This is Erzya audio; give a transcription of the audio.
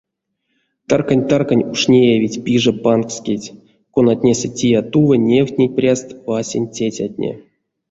Таркань-таркань уш неявить пиже панкскеть, конатнесэ тия-тува невтнить пряст васень цецятне.